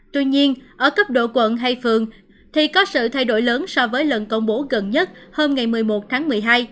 tuy nhiên ở cấp độ quận hay phường thì có sự thay đổi lớn so với lần công bố gần nhất hôm ngày một mươi một tháng một mươi hai